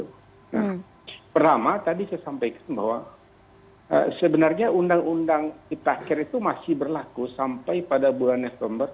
nah pertama tadi saya sampaikan bahwa sebenarnya undang undang ciptaker itu masih berlaku sampai pada bulan november